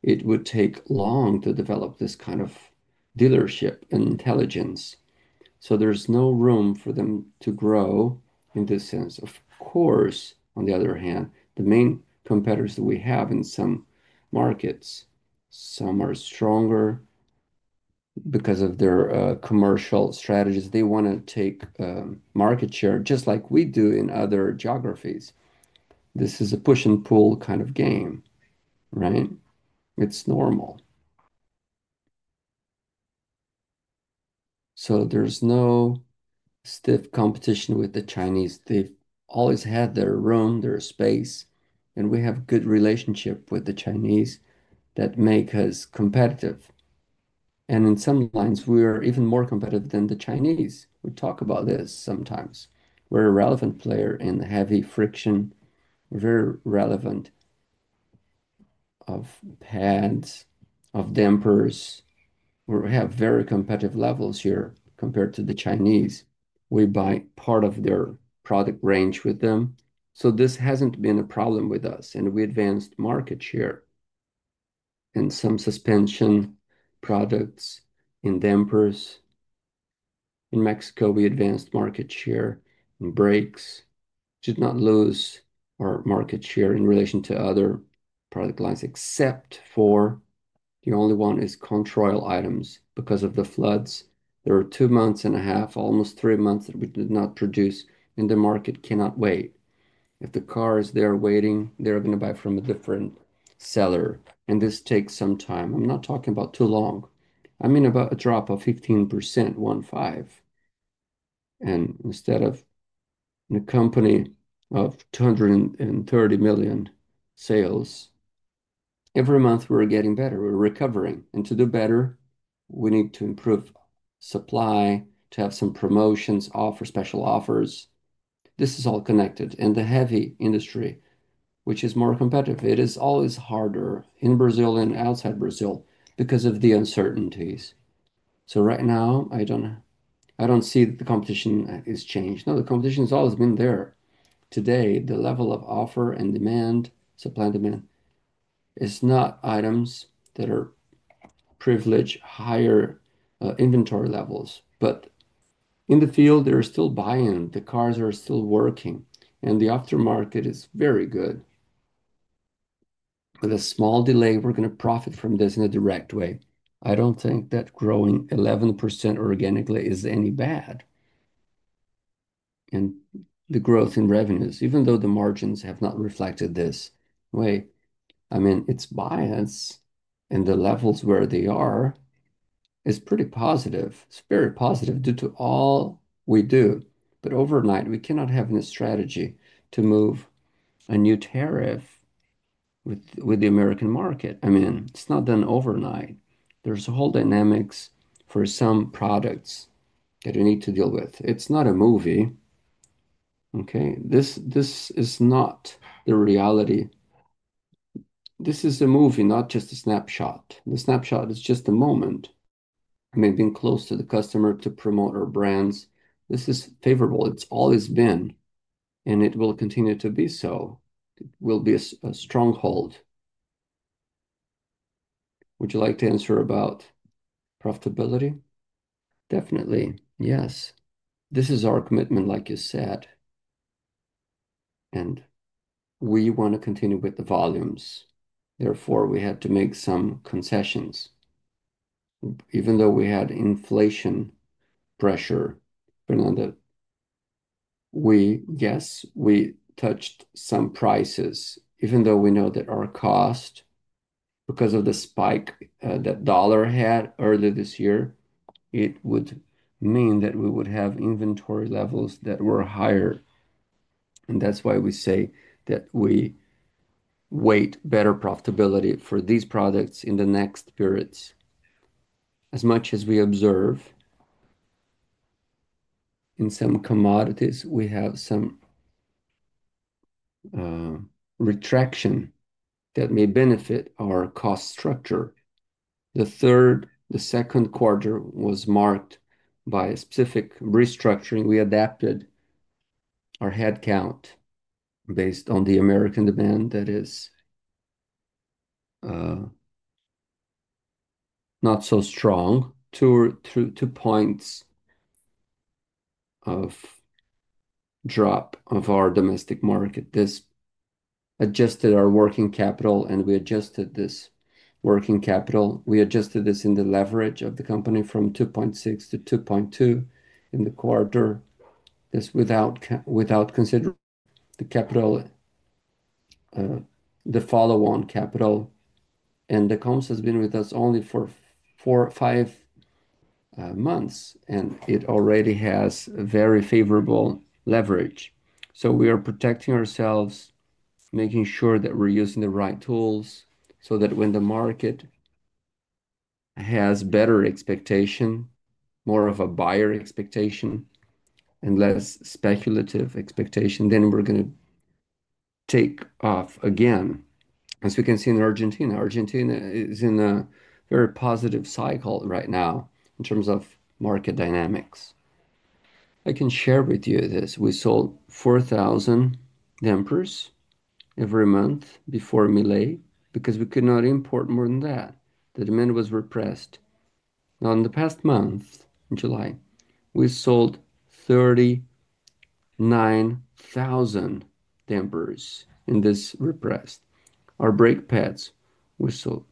It would take long to develop this kind of dealership and intelligence. There's no room for them to grow in this sense. Of course, on the other hand, the main competitors that we have in some markets, some are stronger because of their commercial strategies. They want to take market share just like we do in other geographies. This is a push and pull kind of game, right? It's normal. There's no stiff competition with the Chinese. They've always had their room, their space, and we have a good relationship with the Chinese that makes us competitive. In some lines, we are even more competitive than the Chinese. We talk about this sometimes. We're a relevant player in heavy friction, very relevant of pads, of dampers. We have very competitive levels here compared to the Chinese. We buy part of their product range with them. This hasn't been a problem with us, and we advanced market share in some suspension products, in dampers. In Mexico, we advanced market share in brakes. We did not lose our market share in relation to other product lines, except for the only one is control items because of the floods. There are two months and a half, almost three months that we did not produce, and the market cannot wait. If the car is there waiting, they're going to buy from a different seller, and this takes some time. I'm not talking about too long. I mean about a drop of 15%. Instead of the company of 230 million sales, every month we're getting better. We're recovering, and to do better, we need to improve supply, to have some promotions, offer special offers. This is all connected. The heavy industry, which is more competitive, it is always harder in Brazil and outside Brazil because of the uncertainties. Right now, I don't see that the competition has changed. No, the competition has always been there. Today, the level of offer and demand, supply and demand, is not items that are privileged higher inventory levels. In the field, there is still buy-in. The cars are still working, and the aftermarket is very good. With a small delay, we're going to profit from this in a direct way. I don't think that growing 11% organically is any bad. The growth in revenues, even though the margins have not reflected this way, I mean, it's biased. The levels where they are are pretty positive. It's very positive due to all we do. Overnight, we cannot have a strategy to move a new tariff with the U.S. market. I mean, it's not done overnight. There's a whole dynamic for some products that we need to deal with. It's not a movie. Okay? This is not the reality. This is a movie, not just a snapshot. The snapshot is just a moment. Being close to the customer to promote our brands, this is favorable. It's always been, and it will continue to be so. It will be a stronghold. Would you like to answer about profitability? Definitely. Yes. This is our commitment, like you said. We want to continue with the volumes. Therefore, we had to make some concessions. Even though we had inflation pressure, Fernanda, we guess we touched some prices. Even though we know that our cost, because of the spike that dollar had earlier this year, it would mean that we would have inventory levels that were higher. That's why we say that we wait for better profitability for these products in the next periods. As much as we observe, in some commodities, we have some retraction that may benefit our cost structure. The second quarter was marked by a specific restructuring. We adapted our headcount based on the American demand that is not so strong. Two points of drop of our domestic market. This adjusted our working capital, and we adjusted this working capital. We adjusted this in the leverage of the company from 2.6-2.2 in the quarter. It's without considering the capital, the follow-on capital. Dacomsa has been with us only for 4-5 months, and it already has a very favorable leverage. We are protecting ourselves, making sure that we're using the right tools so that when the market has better expectation, more of a buyer expectation, and less speculative expectation, we're going to take off again. As we can see in Argentina, Argentina is in a very positive cycle right now in terms of market dynamics. I can share with you this. We sold 4,000 dampers every month before Meyle because we could not import more than that. The demand was repressed. Now, in the past month, in July, we sold 39,000 dampers and this repressed. Our brake pads, we're selling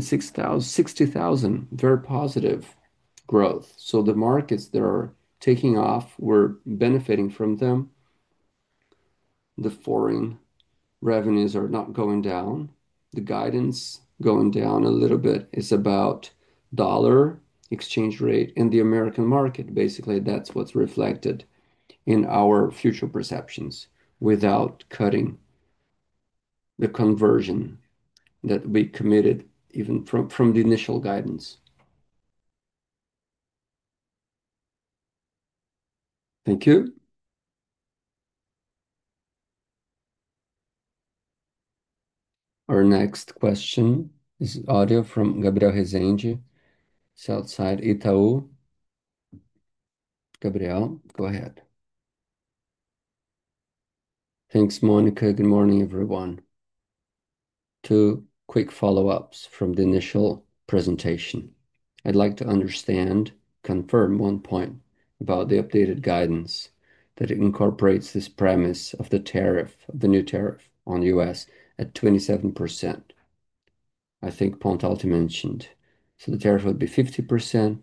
60,000, 60,000 very positive growth. The markets that are taking off, we're benefiting from them. The foreign revenues are not going down. The guidance is going down a little bit. It's about dollar exchange rate and the American market. Basically, that's what's reflected in our future perceptions without cutting the conversion that we committed even from the initial guidance. Thank you. Our next question is audio from Gabriel Rezende, Southside Itau. Gabriel, go ahead. Thanks, Monica. Good morning, everyone. Two quick follow-ups from the initial presentation. I'd like to understand, confirm one point about the updated guidance that incorporates this premise of the tariff, of the new tariff on the U.S. at 27%. I think Pontalti mentioned, so the tariff would be 50%,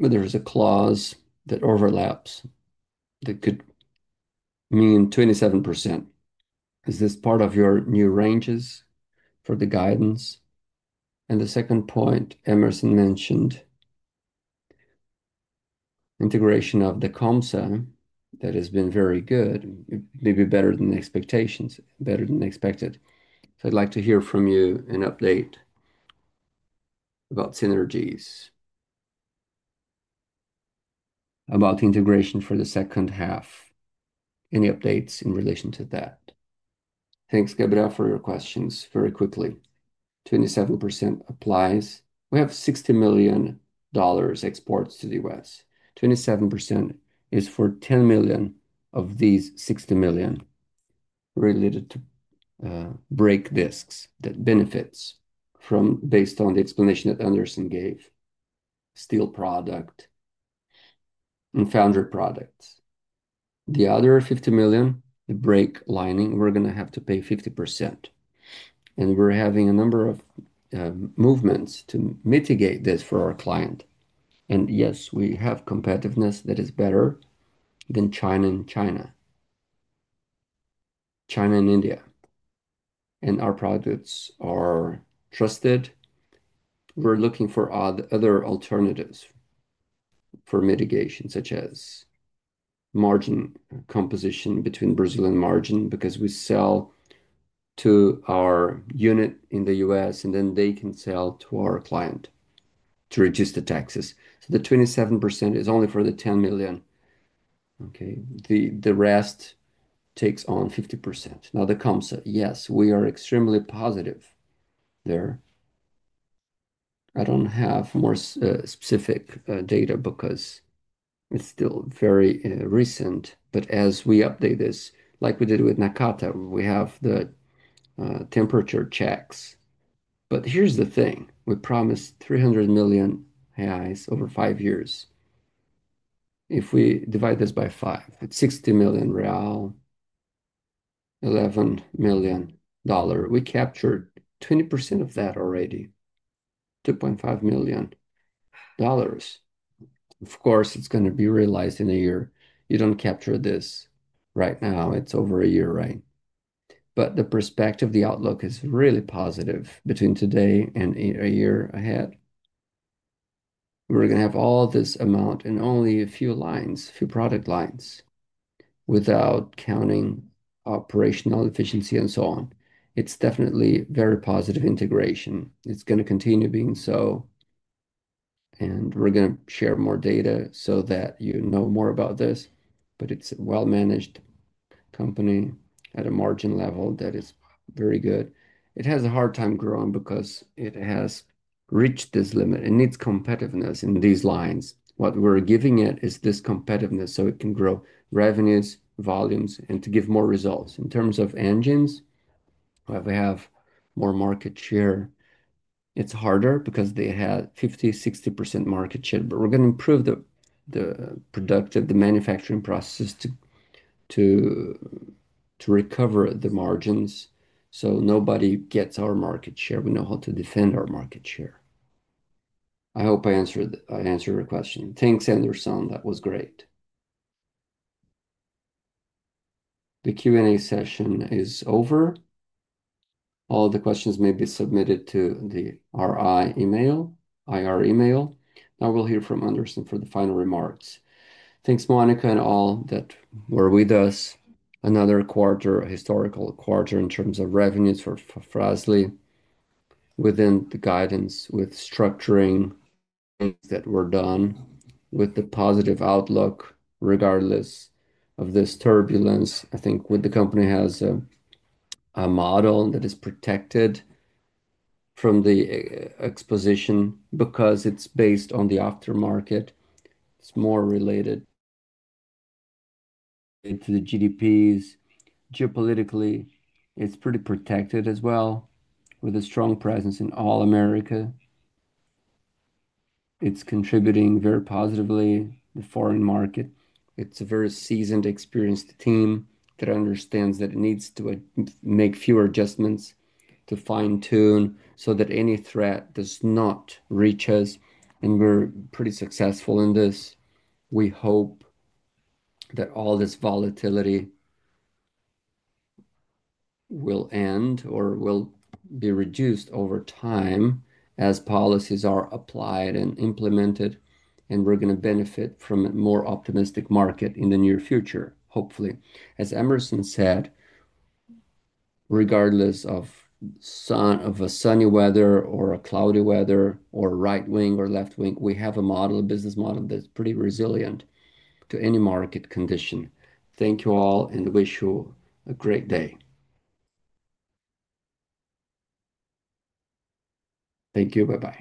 but there is a clause that overlaps that could mean 27%. Is this part of your new ranges for the guidance? The second point, Hemerson mentioned, integration of Dacomsa that has been very good, maybe better than expectations, better than expected. I'd like to hear from you an update about synergies, about the integration for the second half. Any updates in relation to that? Thanks, Gabriel, for your questions. Very quickly, 27% applies. We have $60 million exports to the U.S. 27% is for $10 million of these $60 million related to brake discs that benefit from, based on the explanation that Anderson gave, steel product and foundry products. The other $50 million, the brake lining, we're going to have to pay 50%. We're having a number of movements to mitigate this for our client. Yes, we have competitiveness that is better than China and India. Our products are trusted. We're looking for other alternatives for mitigation, such as margin composition between Brazil and margin because we sell to our unit in the U.S., and then they can sell to our client to reduce the taxes. The 27% is only for the $10 million. The rest takes on 50%. Now, Dacomsa, yes, we are extremely positive there. I don't have more specific data because it's still very recent. As we update this, like we did with Nakata, we have the temperature checks. Here's the thing. We promised 300 million reais over five years. If we divide this by five, at 60 million real, $11 million, we captured 20% of that already, $2.5 million. Of course, it's going to be realized in a year. You don't capture this right now. It's over a year, right? The perspective, the outlook is really positive between today and a year ahead. We're going to have all this amount and only a few lines, a few product lines without counting operational efficiency and so on. It's definitely very positive integration. It's going to continue being so. We're going to share more data so that you know more about this, but it's well managed. Company at a margin level that is very good. It has a hard time growing because it has reached this limit and needs competitiveness in these lines. What we're giving it is this competitiveness so it can grow revenues, volumes, and to give more results. In terms of engines, however, we have more market share. It's harder because they had 50%, 60% market share, but we're going to improve the productive, the manufacturing processes to recover the margins so nobody gets our market share. We know how to defend our market share. I hope I answered your question. Thanks, Anderson. That was great. The Q&A session is over. All the questions may be submitted to the IR email. Now we'll hear from Anderson for the final remarks. Thanks, Monica, and all that were with us. Another quarter, a historical quarter in terms of revenues for Frasle Mobility within the guidance with structuring things that were done with the positive outlook. Regardless of this turbulence, I think the company has a model that is protected from the exposition because it's based on the aftermarket. It's more related to the GDPs. Geopolitically, it's pretty protected as well with a strong presence in all America. It's contributing very positively to the foreign market. It's a very seasoned, experienced team that understands that it needs to make fewer adjustments to fine-tune so that any threat does not reach us. We're pretty successful in this. We hope that all this volatility will end or will be reduced over time as policies are applied and implemented, and we're going to benefit from a more optimistic market in the near future, hopefully. As Hemerson said, regardless of sunny weather or cloudy weather or right wing or left wing, we have a model, a business model that's pretty resilient to any market condition. Thank you all and wish you a great day. Thank you. Bye-bye.